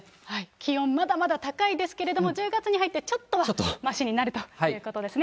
気温まだまだ高いですけれども、１０月に入って、ちょっとはましになるということですね。